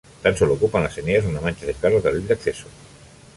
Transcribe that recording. Tan sólo ocupan las eneas una mancha cercana al carril de acceso.